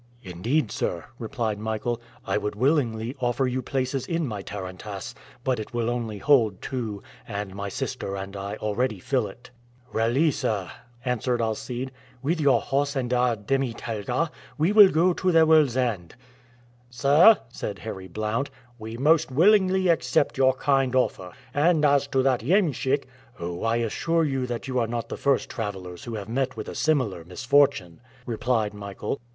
"Indeed, sir," replied Michael, "I would willingly offer you places in my tarantass, but it will only hold two, and my sister and I already fill it." "Really, sir," answered Alcide, "with your horse and our demi telga we will go to the world's end." "Sir," said Harry Blount, "we most willingly accept your kind offer. And, as to that iemschik " "Oh! I assure you that you are not the first travelers who have met with a similar misfortune," replied Michael.